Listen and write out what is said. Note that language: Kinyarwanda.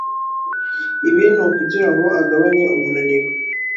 ibi ni ukugirango agabanye umunaniro